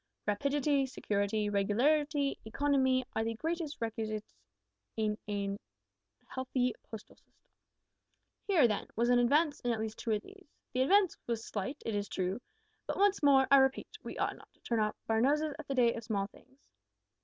Rapidity, security, regularity, economy, are the great requisites in a healthy postal system. Here, then, was an advance in at least two of these. The advance was slight, it is true, but once more, I repeat, we ought not to turn up our noses at the day of small things."